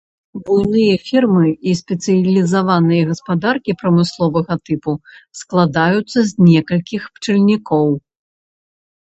Буйныя фермы і спецыялізаваныя гаспадаркі прамысловага тыпу складаюцца з некалькіх пчальнікоў.